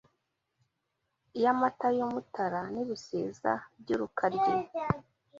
Y'amataba y'Umutara N'ibisiza by'Urukaryi